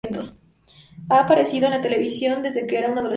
Ha aparecido en la televisión desde que era un adolescente.